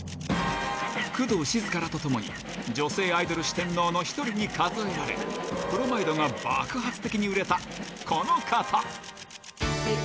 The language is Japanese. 工藤静香らと共に女性アイドル四天王の一人に数えられ、プロマイドが爆発的に売れたこの方。